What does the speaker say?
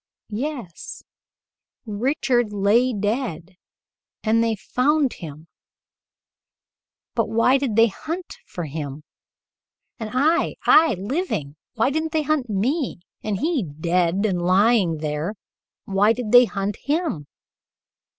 "Yes, Richard lay dead and they found him, but why did they hunt for him? And I I living why didn't they hunt me, and he, dead and lying there why did they hunt him?